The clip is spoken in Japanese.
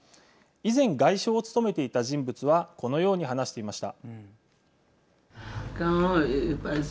以前、外相を務めていた人物はこのように話していました。